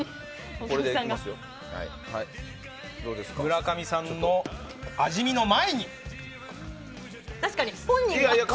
村上さんの味見の前に。